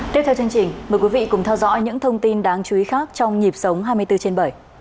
tiếp theo chương trình mời quý vị cùng theo dõi những thông tin đáng chú ý khác trong nhịp sống hai mươi bốn trên bảy